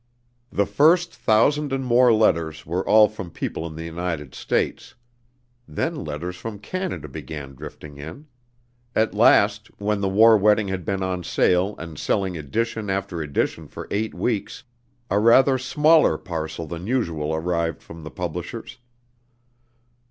The first thousand and more letters were all from people in the United States. Then letters from Canada began drifting in. At last, when "The War Wedding" had been on sale and selling edition after edition for eight weeks, a rather smaller parcel than usual arrived from the publishers.